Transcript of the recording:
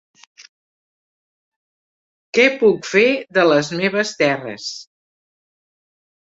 Què puc fer de les meves terres?